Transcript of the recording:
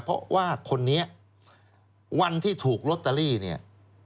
เพราะว่าคนนี้วันที่ถูกลอตเตอรี่เนี่ย